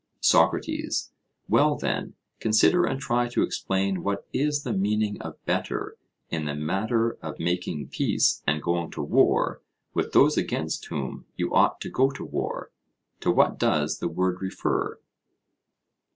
SOCRATES: Well, then, consider and try to explain what is the meaning of 'better,' in the matter of making peace and going to war with those against whom you ought to go to war? To what does the word refer?